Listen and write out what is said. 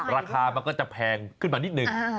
ราคามันก็จะแพงขึ้นมานิดนึง